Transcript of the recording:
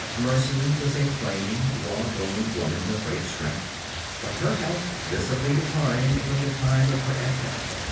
Mercy was a plain, raw boned woman of great strength; but her health visibly declined from the time of her advent.